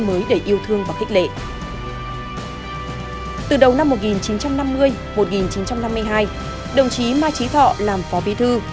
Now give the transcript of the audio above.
mới để yêu thương và khích lệ từ đầu năm một nghìn chín trăm năm mươi một nghìn chín trăm năm mươi hai đồng chí mai trí thọ làm phó bí thư